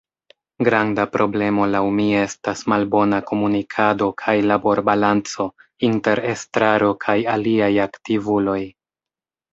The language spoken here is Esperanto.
Granda problemo laŭ mi estas malbona komunikado kaj laborbalanco inter Estraro kaj aliaj aktivuloj.